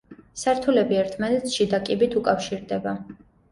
სართულები ერთმანეთს შიდა კიბით უკავშირდება.